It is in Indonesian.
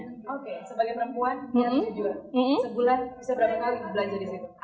oke sebagai perempuan biasanya juga sebulan bisa berapa kali belanja di situ